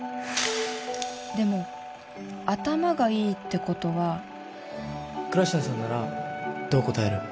でも頭がいいってことは倉科さんならどう答える？